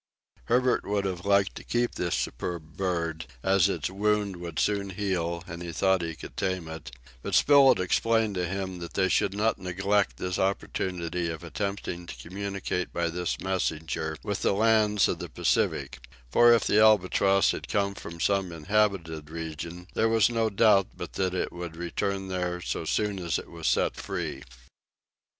Herbert would have liked to keep this superb bird, as its wound would soon heal, and he thought he could tame it; but Spilett explained to him that they should not neglect this opportunity of attempting to communicate by this messenger with the lands of the Pacific; for if the albatross had come from some inhabited region, there was no doubt but that it would return there so soon as it was set free.